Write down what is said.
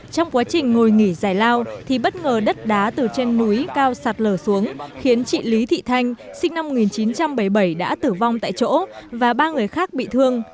trong quá trình ngồi nghỉ giải lao thì bất ngờ đất đá từ trên núi cao sạt lở xuống khiến chị lý thị thanh sinh năm một nghìn chín trăm bảy mươi bảy đã tử vong tại chỗ và ba người khác bị thương